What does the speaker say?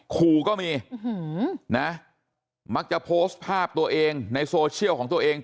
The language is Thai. ขู่ก็มีนะมักจะโพสต์ภาพตัวเองในโซเชียลของตัวเอง